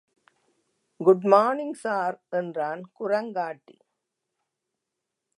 Good morning sir! என்றான் குரங்காட்டி.